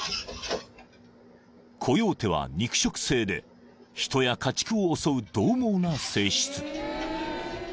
［コヨーテは肉食性で人や家畜を襲うどう猛な性質］